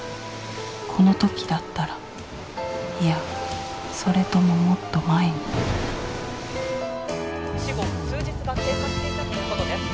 この時だったらいやそれとももっと前に死後数日が経過していたということです。